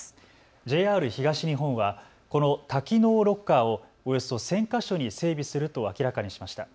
ＪＲ東日本はこの多機能ロッカーをおよそ１０００か所に整備すると明らかにしました。